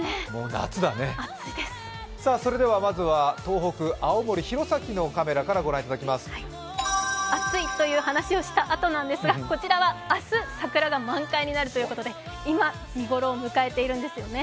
夏だね、東北、青森・弘前のカメラからまいります暑いという話をした後なんですが、こちらは明日、満開になるということで、今、見頃を迎えているんですよね。